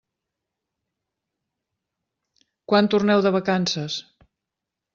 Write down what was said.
Quan torneu de vacances?